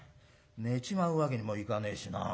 寝ちまうわけにもいかねえしな。